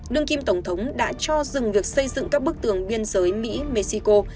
đương kim tổng thống đã cho dừng việc xây dựng các bức tường biên giới mỹ mexico